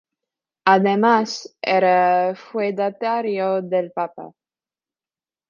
Además era feudatario del Papa.